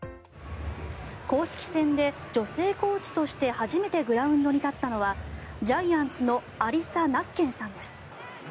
公式戦で女性コーチとして初めてグラウンドに立ったのはジャイアンツのアリサ・ナッケンさんです。